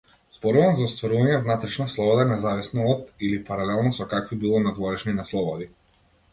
Зборувам за остварување внатрешна слобода независно од или паралелно со какви било надворешни неслободи.